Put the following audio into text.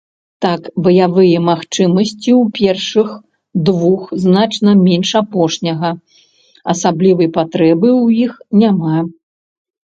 Так баявыя магчымасці ў першых двух значна менш апошняга, асаблівай патрэбы ў іх няма.